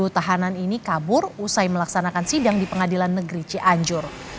sepuluh tahanan ini kabur usai melaksanakan sidang di pengadilan negeri cianjur